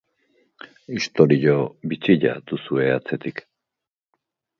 Istorio bitxia duzue atzetik.